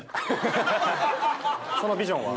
そのビジョンは？